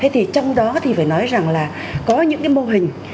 trong đó thì phải nói rằng là có những mô hình